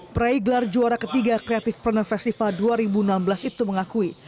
pereglar juara ketiga kreatif pernah festival dua ribu enam belas itu mengakui